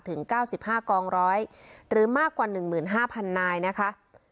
ถึงเก้าสิบห้ากองร้อยหรือมากกว่าหนึ่งหมื่นห้าพันนายนะคะ